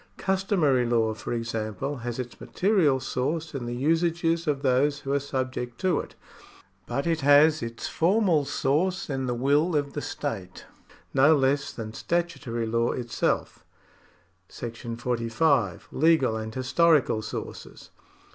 Customary law, for example, has its material source in the usages of tiiose who are subject to it ; but it has its formal source in the will of the state, no less than statutory law itself. § 45. Legal and Historical Sources.